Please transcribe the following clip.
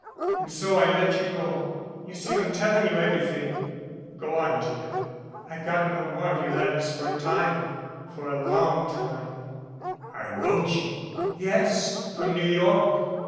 And so I let you go. You see I'm telling you everything." "Go on, dear." 337 MADCAP "I got no more of your letters for a time for a long time " "I wrote you " "Yes from New York.